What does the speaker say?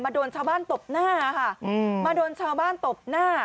โดนชาวบ้านตบหน้าค่ะมาโดนชาวบ้านตบหน้า